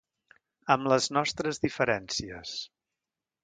Amb les nostres diferències...